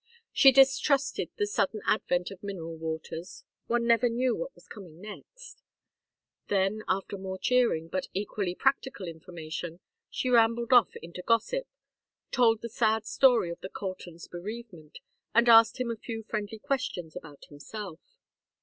She distrusted the sudden advent of mineral waters; one never knew what was coming next. Then, after more cheering, but equally practical information, she rambled off into gossip, told the sad story of the Coltons' bereavement, and asked him a few friendly questions about himself.